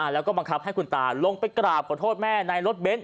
แล้วก็บังคับให้คุณตาลงไปกราบขอโทษแม่ในรถเบนท